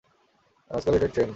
আজকাল এটাই ট্রেন্ড!